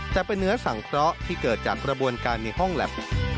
แต่เป็นเนื้อสังเคราะห์ที่เกิดจากกระบวนการในห้องแล็บ